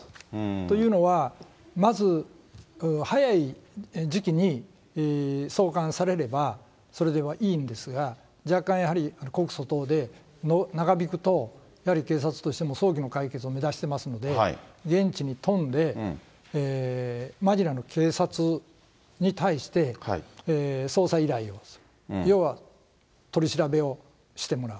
というのは、まず早い時期に送還されれば、それはいいんですが、若干やはり告訴等で長引くと、やはり警察としても早期の解決を目指していますので、現地に飛んで、マニラの警察に対して、捜査依頼をする、要は取り調べをしてもらう。